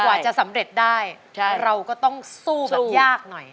กว่าจะสำเร็จได้เราก็ต้องสู้กันยากหน่อย